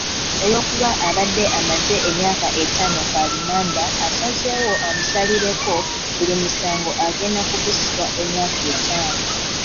Olw'okuba abadde amaze emyaka ettaano ku alimanda, asazeewo amusalireko, buli musango agenda kugusibwa emyaka ettaano.